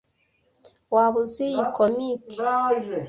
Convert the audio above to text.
Waba uzi iyi comic?